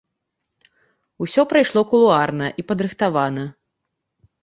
Усё прайшло кулуарна і падрыхтавана.